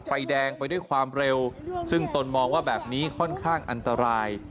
ไฟแดงไปด้วยความเร็วซึ่งตนมองว่าแบบนี้ค่อนข้างอันตราย